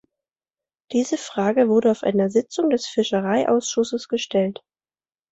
Diese Frage wurde auf einer Sitzung des Fischereiausschusses gestellt.